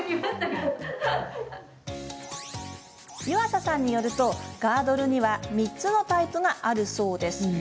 湯浅さんによると、ガードルには３つのタイプがあるそうです。